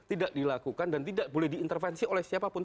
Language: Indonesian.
tidak dilakukan dan tidak boleh diintervensi oleh siapapun